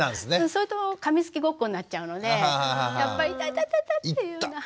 そうするとかみつきごっこになちゃうのでやっぱり「イタタタタ」っていうような。